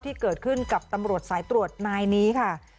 ที่เกิดขึ้นกับตำรวจสายตรวจนายนี้ค่ะ